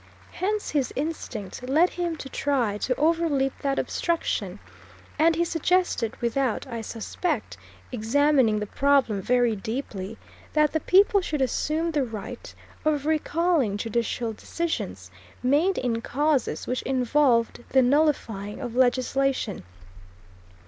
Hence his instinct led him to try to overleap that obstruction, and he suggested, without, I suspect, examining the problem very deeply, that the people should assume the right of "recalling" judicial decisions made in causes which involved the nullifying of legislation.